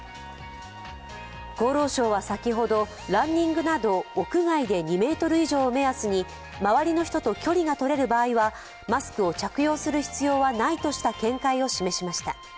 厚労省は先ほど、ランニングなど屋外で２ｍ以上を目安に周りの人と距離がとれる場合はマスクを着用する必要はないとした見解を示しました。